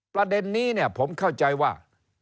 ประเด็นนี้เนี่ยผมเข้าใจว่า